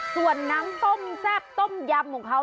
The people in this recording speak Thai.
ส่วนน้ำต้มแซ่บต้มยำของเขา